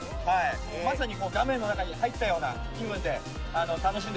まさに画面の中に入ったような気分で楽しんでほしいですね。